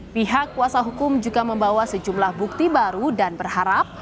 pihak kuasa hukum juga membawa sejumlah bukti baru dan berharap